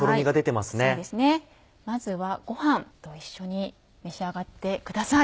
まずはご飯と一緒に召し上がってください。